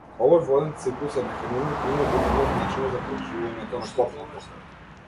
Овој воден циклус е механизам кој има витално значење за преживувањето на копното.